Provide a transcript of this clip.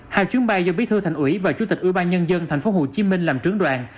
hai chuyến bay do bí thư thành ủy và chủ tịch ủy ban nhân dân tp hcm làm trướng đoàn